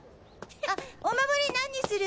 あっお守り何にする？